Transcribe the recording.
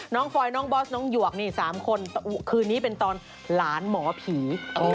ฟอยน้องบอสน้องหยวกนี่๓คนคืนนี้เป็นตอนหลานหมอผี